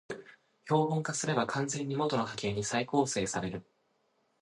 標本化すれば完全に元の波形に再構成される